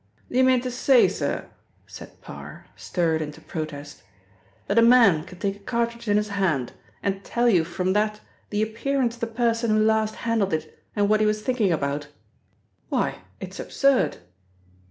"Do you mean to say, sir," said Parr, stirred into protest, "that a man can take a cartridge in his hand and tell you from that the appearance of the person who last handled it and what he was thinking about? Why, it is absurd!"